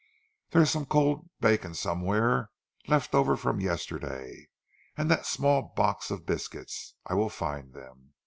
"There is some cold bacon somewhere, left over from yesterday, and that small box of biscuits. I will find them.